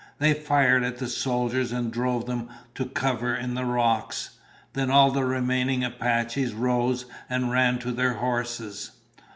They fired at the soldiers and drove them to cover in the rocks. Then all the remaining Apaches rose and ran to their horses.